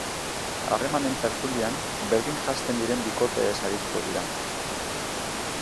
Harremanen tertulian, berdin janzten diren bikoteez arituko dira.